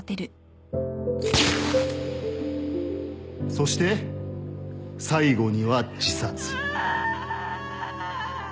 そして最後には自殺。